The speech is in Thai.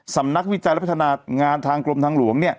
วิจัยและพัฒนางานทางกรมทางหลวง